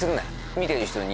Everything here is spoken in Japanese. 見てる人に。